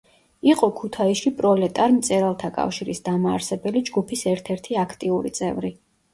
იყო ქუთაისში პროლეტარ მწერალთა კავშირის დამაარსებელი ჯგუფის ერთ-ერთი აქტიური წევრი.